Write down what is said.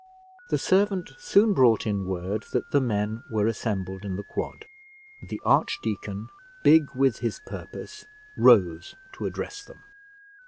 The servant soon brought in word that the men were assembled in the quad, and the archdeacon, big with his purpose, rose to address them.